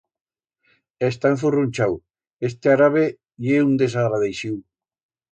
Está enfurruchau, este arabe ye un desagradeixiu.